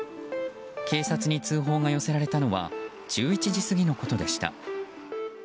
警察に通報が寄せられたのは１１時過ぎのことでした。